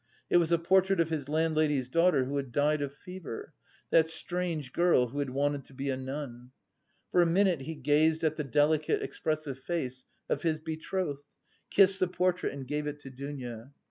It was the portrait of his landlady's daughter, who had died of fever, that strange girl who had wanted to be a nun. For a minute he gazed at the delicate expressive face of his betrothed, kissed the portrait and gave it to Dounia.